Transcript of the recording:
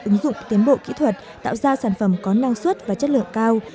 ứng dụng tiến bộ kỹ thuật tạo ra sản phẩm có năng suất và chất lượng cao